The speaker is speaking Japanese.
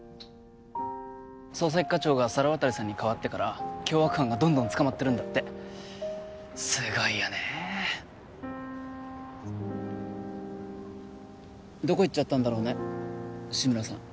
捜査一課長が猿渡さんにかわってから凶悪犯がどんどん捕まってるんだってすごいよねどこ行っちゃったんだろうね志村さん